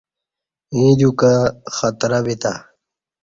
ییں دیوکہ خطرہ بیتہ